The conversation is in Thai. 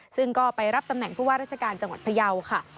ซึ่งก็ไปรับตำแหน่งผู้ว่าราชการจังหวัดพยาวค่ะ